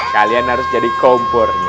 kalian harus jadi kompornya